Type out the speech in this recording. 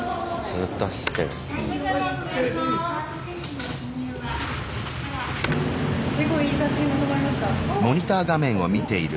ずっと走ってる。